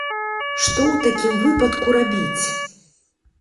Што ў такім выпадку рабіць?